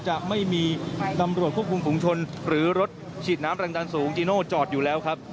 จะไม่มีตำรวจควบคุมฝุงชนหรือรถฉีดน้ำแรงดันสูงจีโน่จอดอยู่แล้วครับ